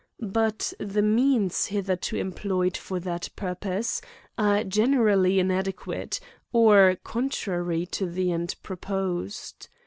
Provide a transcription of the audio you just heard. But the means hitherto employed for that purpose are ge nerally inadequate, or contrary to the tjid propo sed.